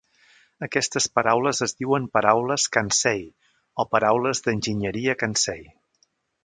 Aquestes paraules es diuen "paraules kansei" o "paraules d'enginyeria kansei".